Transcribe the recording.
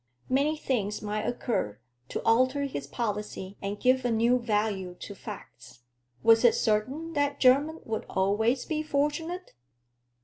Many things might occur to alter his policy and give a new value to facts. Was it certain that Jermyn would always be fortunate?